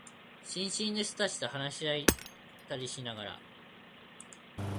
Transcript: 新進の人たちと話し合ったりしながら、